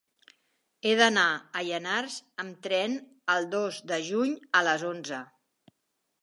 He d'anar a Llanars amb tren el dos de juny a les onze.